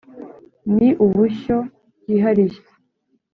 Ni ubushyo bwihariye